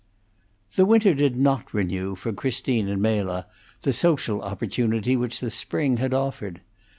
The winter did not renew for Christine and Mela the social opportunity which the spring had offered.